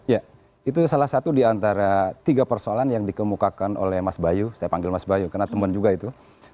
ya itu salah satu di antara tiga persoalan yang dikemukakan oleh mas bayu saya panggil mas bayu karena teman juga itu